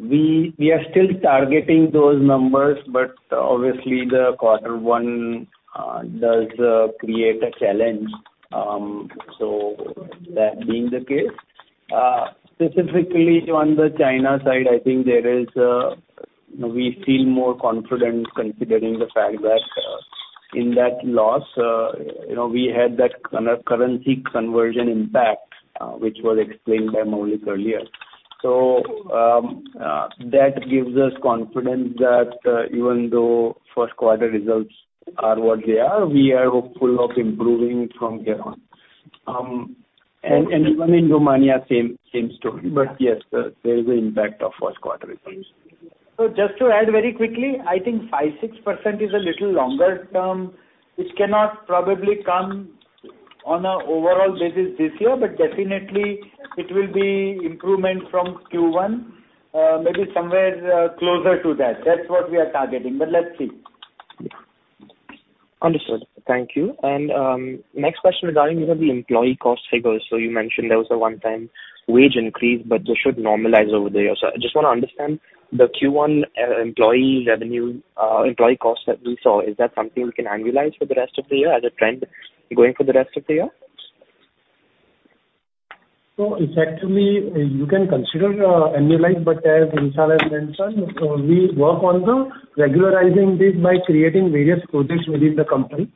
we are still targeting those numbers, but obviously the quarter one does create a challenge. So that being the case, specifically on the China side, I think there is, we feel more confident considering the fact that, in that loss, you know, we had that currency conversion impact, which was explained by Maulik earlier. That gives us confidence that, even though first quarter results are what they are, we are hopeful of improving from here on. Even in Romania, same, same story. Yes, there is an impact of first quarter results. Just to add very quickly, I think 5%-6% is a little longer term, which cannot probably come on an overall basis this year, but definitely it will be improvement from Q1, maybe somewhere closer to that. That's what we are targeting, but let's see. Understood. Thank you. Next question regarding, you know, the employee cost figures. So you mentioned there was a one-time wage increase, but this should normalize over the year. So I just want to understand the Q1 employee revenue, employee cost that we saw, is that something we can annualize for the rest of the year as a trend going for the rest of the year? Effectively, you can consider, annualize, but as Insa has mentioned, we work on the regularizing this by creating various projects within the company.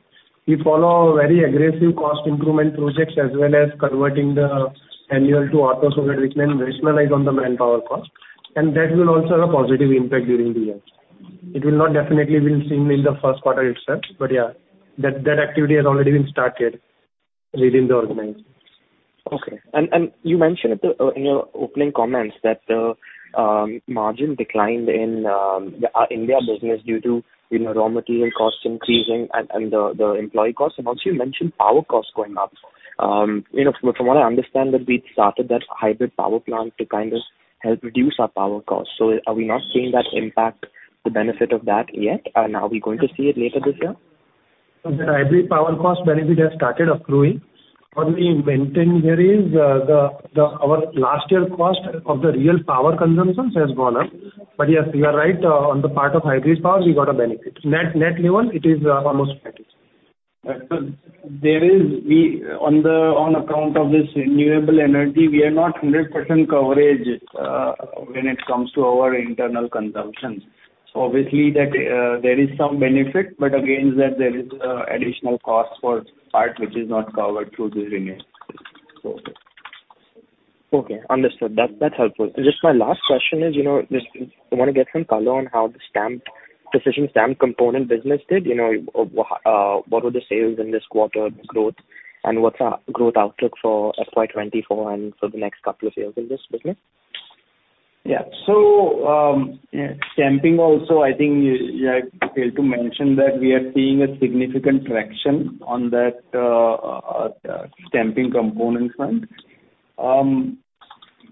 We follow very aggressive cost improvement projects, as well as converting the annual to automation, so that we can rationalize on the manpower cost, and that will also have a positive impact during the year. It will not definitely been seen in the first quarter itself, but yeah, that, that activity has already been started within the organization. Okay. And you mentioned at the in your opening comments that the margin declined in India business due to, you know, raw material costs increasing and, and the, the employee costs, and also you mentioned power costs going up. You know, from what I understand that we started that hybrid power plant to kind of help reduce our power costs. Are we not seeing that impact, the benefit of that yet? Are we going to see it later this year? The hybrid power cost benefit has started accruing. Our last year cost of the real power consumption has gone up. Yes, you are right, on the part of hybrid power, we got a benefit. Net, net level, it is almost 50. On account of this renewable energy, we are not 100% coverage when it comes to our internal consumption. Obviously, that there is some benefit, but again, that there is additional cost for part which is not covered through the renewables. Okay, understood. That, that's helpful. Just my last question is, you know, just I want to get some color on how the stamp, precision stamp component business did. You know, what were the sales in this quarter growth, and what's our growth outlook for FY 2024 and for the next couple of years in this business? Yeah. Yeah, stamping also, I think I failed to mention that we are seeing a significant traction on that stamping components front.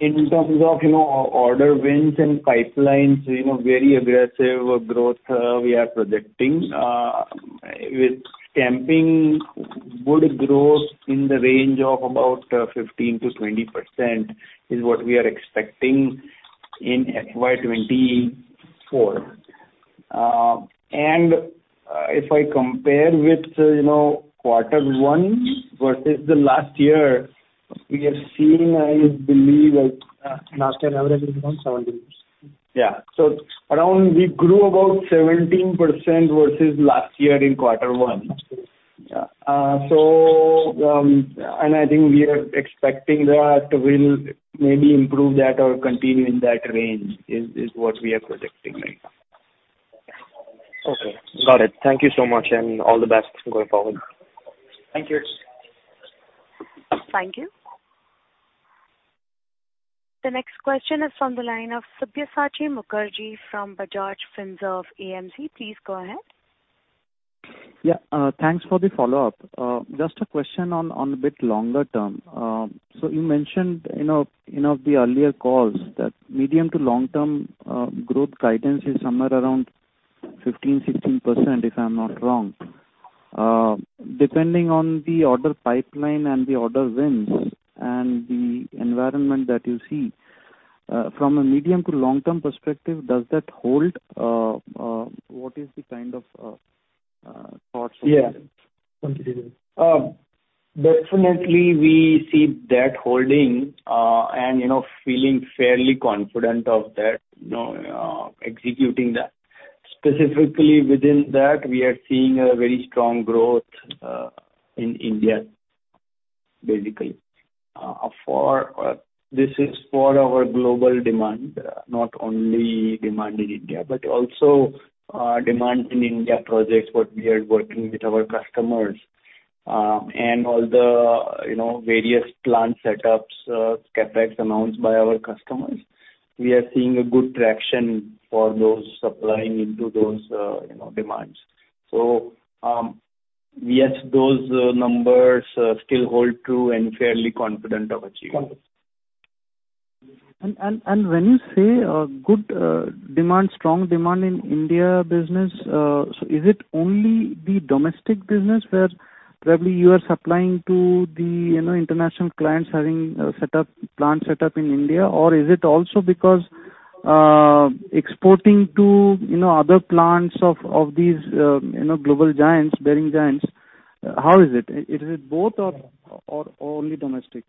In terms of, you know, order wins and pipelines, you know, very aggressive growth we are projecting. With stamping, good growth in the range of about 15%-20% is what we are expecting in FY 2024. And if I compare with, you know, Q1 versus the last year, we have seen, I believe, like, Last year average is around 17%. Yeah. Around we grew about 17% versus last year in quarter one. I think we are expecting that we'll maybe improve that or continue in that range, what we are projecting right now. Okay, got it. Thank you so much, and all the best going forward. Thank you. Thank you. The next question is from the line of Sabyasachi Mukerji from Bajaj Finserv AMC. Please go ahead. Yeah, thanks for the follow-up. Just a question on, on a bit longer term. So you mentioned in a, in a the earlier calls, that medium to long-term growth guidance is somewhere around-... 15%-16%, if I'm not wrong. Depending on the order pipeline and the order wins, and the environment that you see, from a medium to long-term perspective, does that hold, what is the kind of thoughts on that? Yeah. Definitely we see that holding, and, you know, feeling fairly confident of that, you know, executing that. Specifically within that, we are seeing a very strong growth in India, basically. For, this is for our global demand, not only demand in India, but also, demand in India projects what we are working with our customers, and all the, you know, various plant setups, CapEx amounts by our customers. We are seeing a good traction for those supplying into those, you know, demands. Yes, those numbers still hold true and fairly confident of achieving. When you say good demand, strong demand in India business, so is it only the domestic business where probably you are supplying to the, you know, international clients having set up, plant set up in India? Or is it also because exporting to, you know, other plants of, of these, you know, global giants, bearing giants? How is it? Is it both or, or only domestic?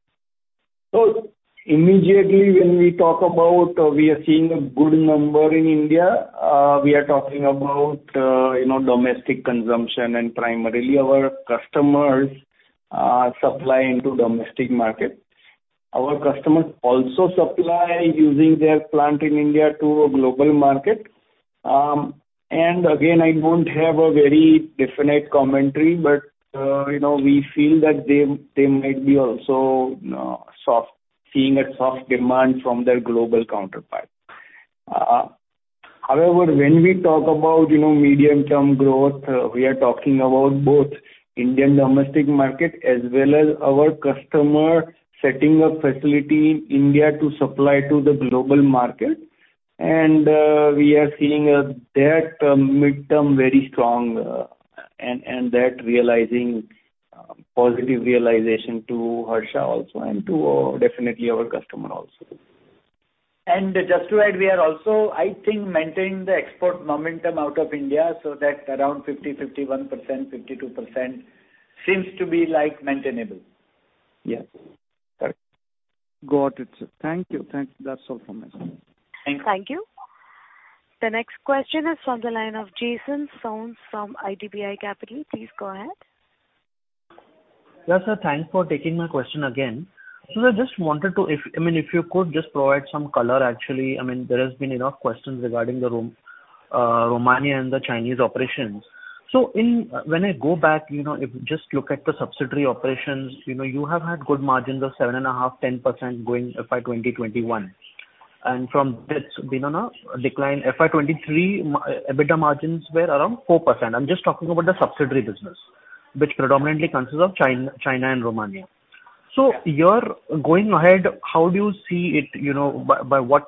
Immediately when we talk about we are seeing a good number in India, we are talking about, you know, domestic consumption, and primarily our customers are supplying to domestic market. Our customers also supply using their plant in India to a global market. Again, I don't have a very definite commentary, but, you know, we feel that they, they might be also seeing a soft demand from their global counterpart. However, when we talk about, you know, medium-term growth, we are talking about both Indian domestic market as well as our customer setting up facility in India to supply to the global market. We are seeing that mid-term very strong, and that realizing positive realization to Harsha also and to definitely our customer also. Just to add, we are also, I think, maintaining the export momentum out of India, so that around 50%, 51%, 52% seems to be, like, maintainable. Yes. Correct. Got it, sir. Thank you. Thank you. That's all from my side. Thank you. Thank you. The next question is from the line of Jason Soans from IDBI Capital. Please go ahead. Yeah, sir. Thanks for taking my question again. I just wanted to, if I mean, if you could just provide some color, actually. I mean, there has been enough questions regarding the Romania and the Chinese operations. In, when I go back, you know, if just look at the subsidiary operations, you know, you have had good margins of 7.5%, 10% going FY 2021. From that's been on a decline, FY 2023, EBITDA margins were around 4%. I'm just talking about the subsidiary business, which predominantly consists of China, China and Romania. You're going ahead, how do you see it, you know, by, by what,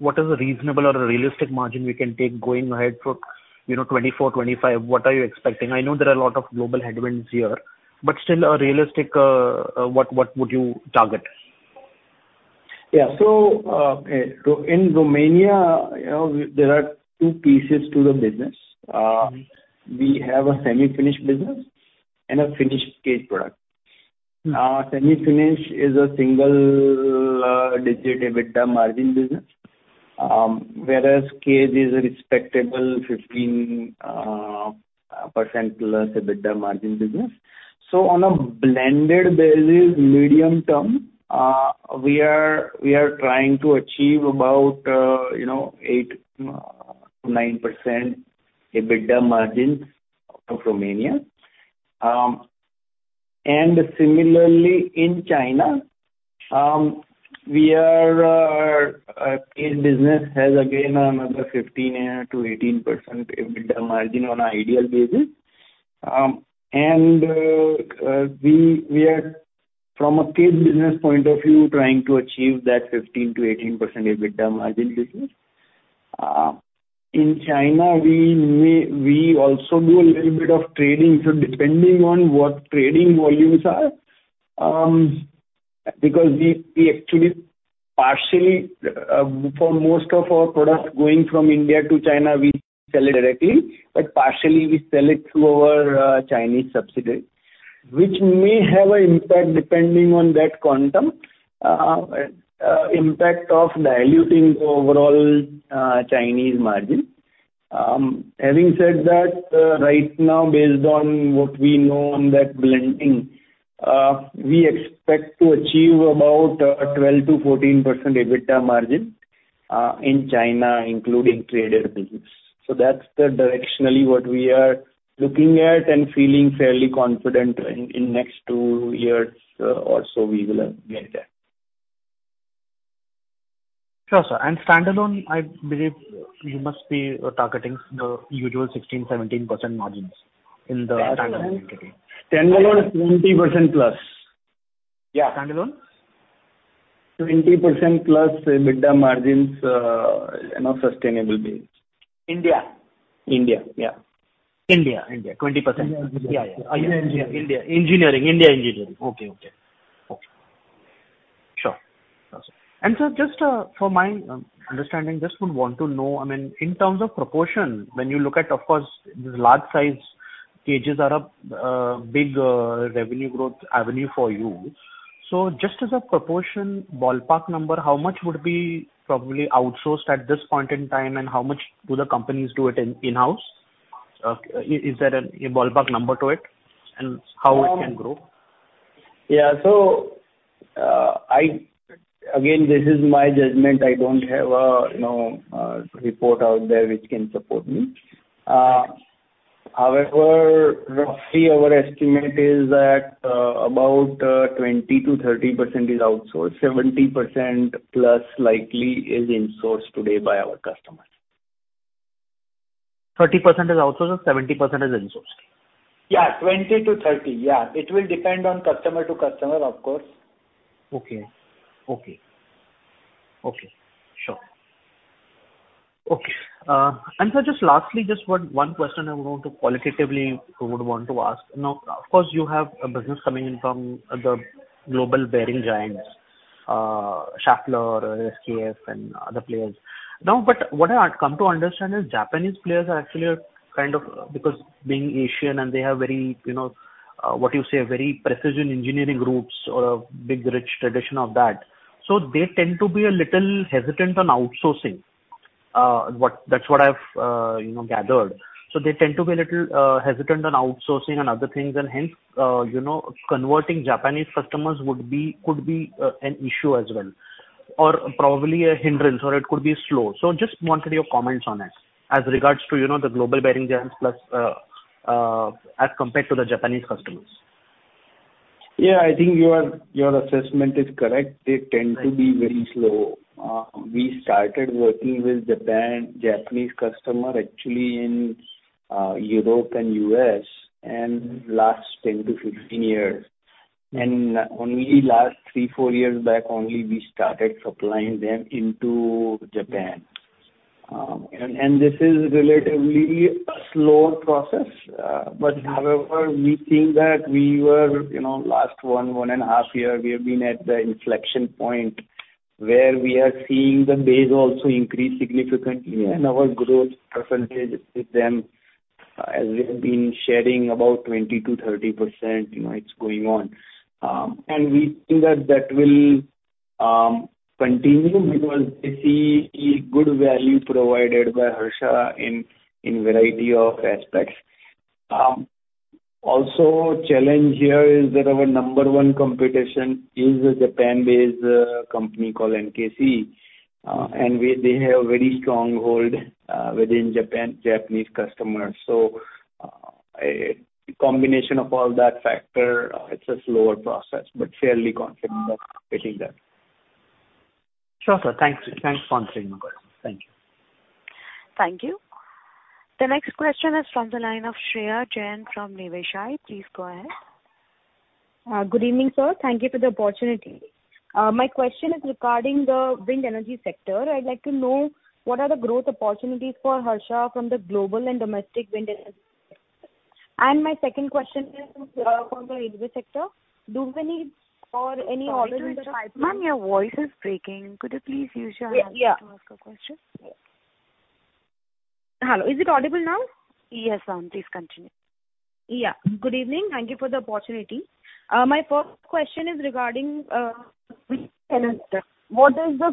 what is a reasonable or a realistic margin we can take going ahead for, you know, 2024, 2025? What are you expecting? I know there are a lot of global headwinds here, but still a realistic, what, what would you target? Yeah. In Romania, we, there are 2 pieces to the business. We have a semi-finished business and a finished cage product. Semi-finished is a single-digit EBITDA margin business, whereas cage is a respectable 15% plus EBITDA margin business. On a blended basis, medium term, we are, we are trying to achieve about, you know, 8%-9% EBITDA margins from Romania. Similarly, in China, we are, a cage business has again another 15%-18% EBITDA margin on an ideal basis. We, we are, from a cage business point of view, trying to achieve that 15%-18% EBITDA margin business. In China, we also do a little bit of trading, so depending on what trading volumes are, because we, we actually partially, for most of our products going from India to China, we sell it directly, but partially we sell it through our Chinese subsidiary, which may have an impact depending on that quantum, impact of diluting the overall Chinese margin. Having said that, right now, based on what we know on that blending, we expect to achieve about 12%-14% EBITDA margin in China, including traded business. That's the directionally what we are looking at and feeling fairly confident in, in next two years or so we will make that. Sure, sir. Standalone, I believe you must be targeting the usual 16%-17% margins in the standalone entity. Standalone is 20%+. Yeah, standalone? 20% plus EBITDA margins, you know, sustainable base. India? India, yeah. India, India, 20%. Yeah, yeah. India. Engineering, India Engineering. Okay, okay. Okay, sure. Sir, just for my understanding, just would want to know, I mean, in terms of proportion, when you look at, of course, this large-size bearing cages are a big revenue growth avenue for you. Just as a proportion, ballpark number, how much would be probably outsourced at this point in time and how much do the companies do it in-house? Is there a ballpark number to it and how it can grow? Yeah, so, I again, this is my judgment. I don't have a, you know, report out there which can support me. However, roughly our estimate is that, about, 20%-30% is outsourced. 70%+ likely is insourced today by our customers. 30% is outsourced, or 70% is insourced? Yeah, 20-30. Yeah. It will depend on customer to customer, of course. Okay. Okay. Okay, sure. Okay, Sir, just lastly, just one question I want to qualitatively would want to ask. Now, of course, you have a business coming in from the global bearing giants, Schaeffler, SKF, and other players. What I've come to understand is Japanese players are actually a kind of, because being Asian and they have very, you know, what you say, very precision engineering roots or a big, rich tradition of that. They tend to be a little hesitant on outsourcing. What... That's what I've, you know, gathered. They tend to be a little hesitant on outsourcing and other things, and hence, you know, converting Japanese customers would be, could be an issue as well, or probably a hindrance, or it could be slow. Just wanted your comments on it, as regards to, you know, the global bearing giants, plus, as compared to the Japanese customers. Yeah, I think your, your assessment is correct. They tend to be very slow. We started working with Japan, Japanese customer, actually, in Europe and U.S., and last 10-15 years, and only last three, four years back only, we started supplying them into Japan. This is relatively a slow process, but however, we think that we were, you know, last one, one and a half year, we have been at the inflection point where we are seeing the base also increase significantly and our growth percentage with them, as we have been sharing about 20%-30%, you know, it's going on. We think that, that will continue because we see a good value provided by Harsha in variety of aspects. Challenge here is that our number 1 competition is a Japan-based company called NKC, and they have very strong hold within Japan, Japanese customers. A combination of all that factor, it's a slower process, but fairly confident of getting there. Sure, sir. Thanks. Thanks for answering. Thank you. Thank you. The next question is from the line of Shreya Jain from Niveshaay. Please go ahead. Good evening, sir. Thank you for the opportunity. My question is regarding the wind energy sector. I'd like to know what are the growth opportunities for Harsha from the global and domestic wind energy sector? My second question is from the railway sector. Do we need or any order- Ma'am, your voice is breaking. Could you please use your- Yeah. to ask your question? Hello, is it audible now? Yes, ma'am, please continue. Yeah. Good evening. Thank you for the opportunity. My first question is regarding, wind energy. What is the-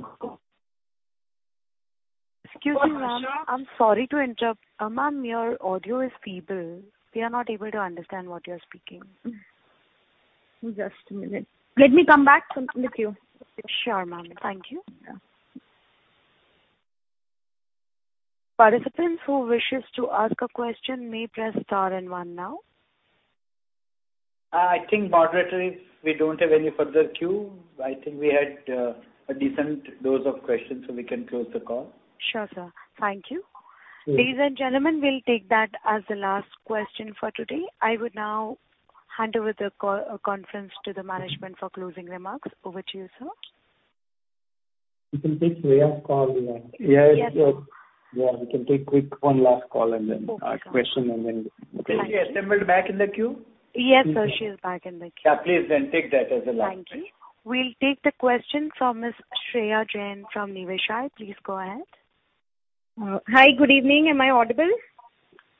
Excuse me, ma'am, I'm sorry to interrupt. Ma'am, your audio is feeble. We are not able to understand what you're speaking. Just a minute. Let me come back with you. Sure, ma'am. Thank you. Yeah. Participants who wishes to ask a question may press star and one now. I think, Moderator, if we don't have any further queue, I think we had a decent dose of questions, so we can close the call. Sure, sir. Thank you. Yes. Ladies and gentlemen, we'll take that as the last question for today. I would now hand over the call, conference to the management for closing remarks. Over to you, sir. We can take Shreya's call. Yes. Yeah, we can take quick one last call, and then- Okay. Ask question, and then we can- Thank you. Is she assembled back in the queue? Yes, sir, she is back in the queue. Yeah, please, then take that as the last one. Thank you. We'll take the question from Miss Shreya Jain from Niveshaay. Please go ahead. Hi, good evening. Am I audible? Yeah. Yes,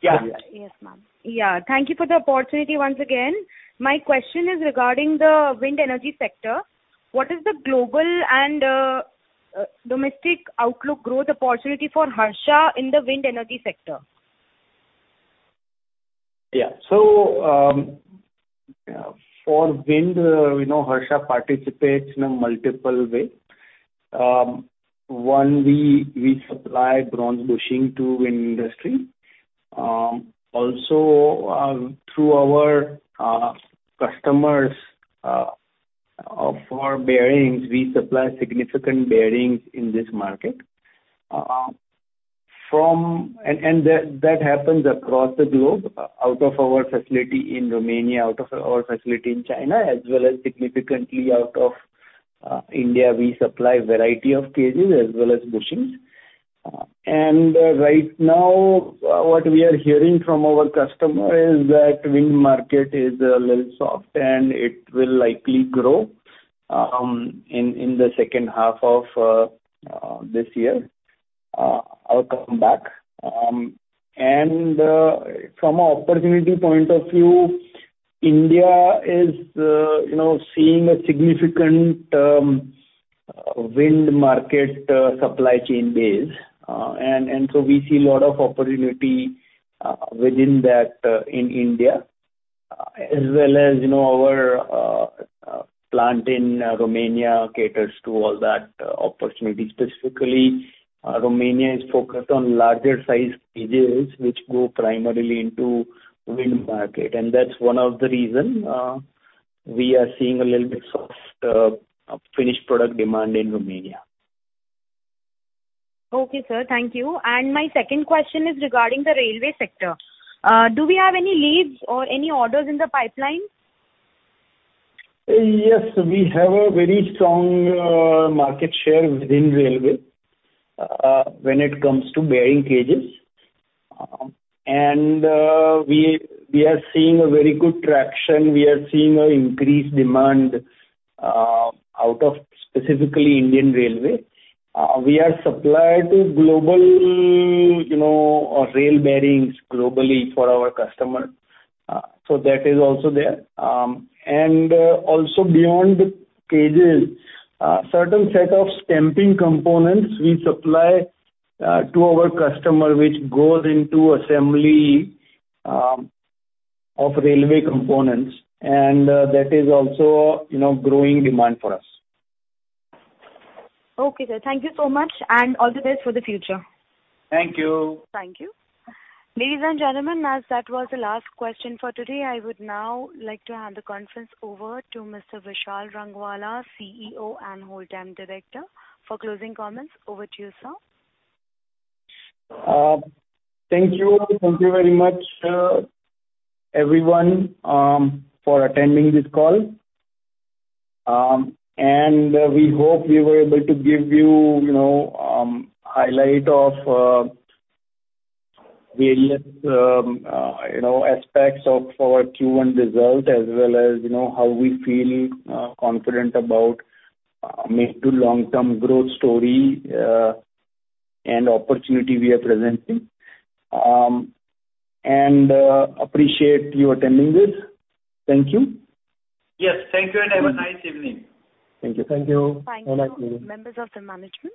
ma'am. Yeah. Thank you for the opportunity once again. My question is regarding the wind energy sector. What is the global and domestic outlook growth opportunity for Harsha in the wind energy sector? Yeah. For wind, you know, Harsha participates in a multiple way. One, we supply bronze bushing to wind industry. Through our customers, for bearings, we supply significant bearings in this market. That happens across the globe, out of our facility in Romania, out of our facility in China, as well as significantly out of India. We supply a variety of cages as well as bushings. Right now, what we are hearing from our customer is that wind market is a little soft, and it will likely grow in the second half of this year. I'll come back. From a opportunity point of view, India is, you know, seeing a significant wind market, supply chain base. We see a lot of opportunity within that in India, as well as, you know, our plant in Romania caters to all that opportunity. Specifically, Romania is focused on larger size cages, which go primarily into wind market. That's one of the reason we are seeing a little bit soft finished product demand in Romania. Okay, sir. Thank you. My second question is regarding the railway sector. Do we have any leads or any orders in the pipeline? Yes, we have a very strong market share within railway when it comes to bearing cages. We, we are seeing a very good traction. We are seeing a increased demand out of specifically Indian Railway. We are supplier to global, you know, rail bearings globally for our customer, so that is also there. Also beyond the cages, certain set of stamping components we supply to our customer, which goes into assembly of railway components, and that is also, you know, growing demand for us. Okay, sir. Thank you so much, and all the best for the future. Thank you! Thank you. Ladies and gentlemen, as that was the last question for today, I would now like to hand the conference over to Mr. Vishal Rangwala, CEO and Whole Time Director, for closing comments. Over to you, sir. Thank you. Thank you very much, everyone, for attending this call. And we hope we were able to give you, you know, highlight of various, you know, aspects of our Q1 result, as well as, you know, how we feel confident about mid to long-term growth story and opportunity we are presenting. And appreciate you attending this. Thank you. Yes, thank you, and have a nice evening. Thank you. Thank you. Members of the management-